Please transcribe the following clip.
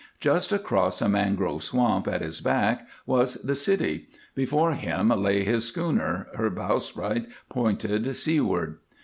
Just across a mangrove swamp at his back was the city; before him lay his schooner, her bowsprit pointing seaward.